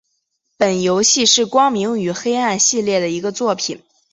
本游戏是光明与黑暗系列的一个作品。